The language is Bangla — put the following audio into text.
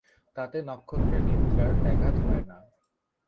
তাতে নক্ষত্রের নিদ্রার ব্যাঘাত হয় না।